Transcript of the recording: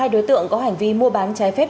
hai đối tượng có hành vi mua bán trái phép